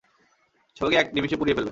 সবাইকে এক নিমিষে পুড়িয়ে ফেলবে!